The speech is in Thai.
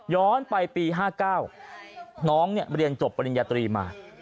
ไปปี๕๙น้องเรียนจบปริญญาตรีมา